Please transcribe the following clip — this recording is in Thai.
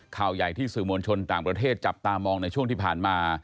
ข่าวใหญ่ที่สื่อมวลชนต่างประเทศจับตามองในช่วงที่ผ่านมา